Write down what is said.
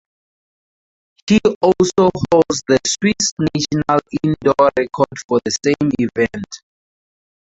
He also holds the Swiss national indoor record for the same event.